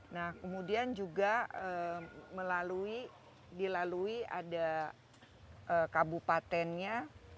nah kemudian juga melalui dilalui ada kabupatennya